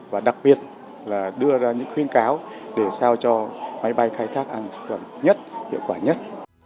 và đặc biệt là đưa ra những khuyên cáo để sao cho máy bay khai thác an toàn nhất hiệu quả nhất